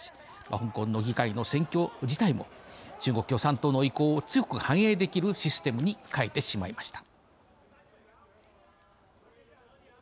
香港の議会の選挙自体も中国共産党の意向を強く反映できるシステムに変えてしまいました。